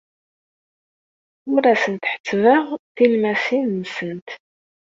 Ur asent-ḥessbeɣ tilmmasin-nsent.